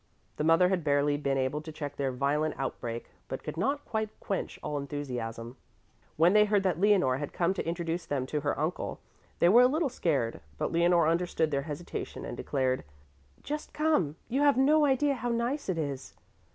The mother had barely been able to check their violent outbreak, but could not quite quench all enthusiasm. When they heard that Leonore had come to introduce them to her uncle, they were a little scared, but Leonore understood their hesitation and declared, "Just come! You have no idea how nice he is."